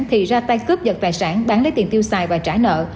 thì ra tay cướp giật tài sản bán lấy tiền tiêu xài và trả nợ